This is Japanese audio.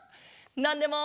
「なんでも」！